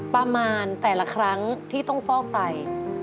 ประมาณแต่ละครั้งที่ต้องฟอกไต